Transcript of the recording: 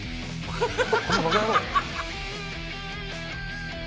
フハハハハ！